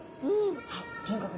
さあとにかく